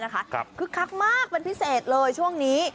คึกคักมากเป็นพิเศษเลยช่วงนี้